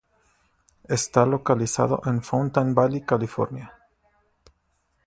Está localizado en Fountain Valley, California.